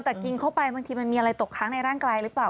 แต่กินเข้าไปบางทีมันมีอะไรตกค้างในร่างกายหรือเปล่า